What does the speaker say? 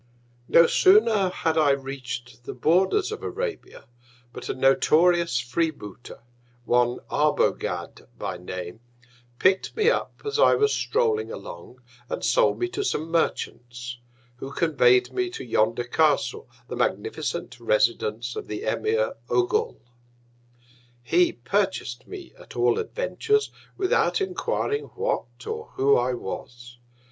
No sooner had I reach'd the Borders of Arabia, but a notorious Free booter, (one Arbogad by Name) pick'd me up, as I was strolling along, and sold me to some Merchants, who convey'd me to yonder Castle, the magnificent Residence of the Emir Ogul. He purchas'd me at all Adventures, without enquiring what, or who I was.